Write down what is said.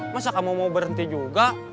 masa kamu mau berhenti juga